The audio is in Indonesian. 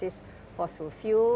yang masih berbasis fossil fuel